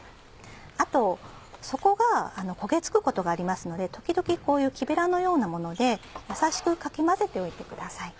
あと底が焦げ付くことがありますので時々こういう木べらのようなもので優しくかき混ぜておいてください。